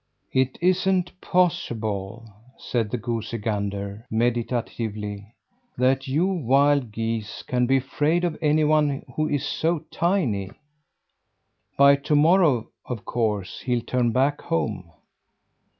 "It isn't possible," said the goosey gander, meditatively, "that you wild geese can be afraid of anyone who is so tiny! By to morrow, of course, he'll turn back home.